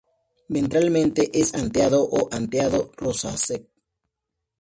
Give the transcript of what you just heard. Ventralmente es anteado o anteado rosáceo.